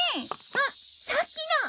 あっさっきの！